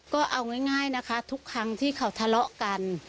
ก็เอาง่ายนะคะทุกครั้งที่เขาทะเลาะกัน